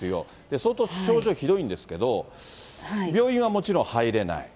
相当、症状ひどいんですけど、病院はもちろん入れない。